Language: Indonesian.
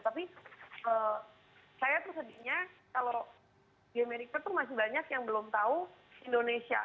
tapi saya tuh sedihnya kalau di amerika itu masih banyak yang belum tahu indonesia